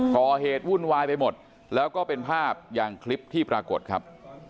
วุ่นวายไปหมดแล้วก็เป็นภาพอย่างคลิปที่ปรากฏครับ